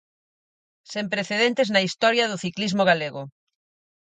Sen precedentes na historia do ciclismo galego.